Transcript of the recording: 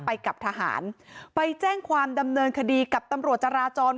ไปกับทหารไปแจ้งความดำเนินคดีกับตำรวจจราจร